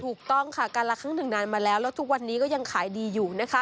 ถูกต้องค่ะการละครั้งหนึ่งนานมาแล้วแล้วทุกวันนี้ก็ยังขายดีอยู่นะคะ